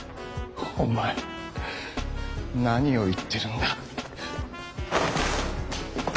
おまえ何を言ってるんだ。